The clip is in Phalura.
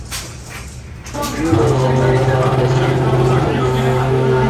بِیڈو زمانہ باد تسی پُتر جولوۡ۔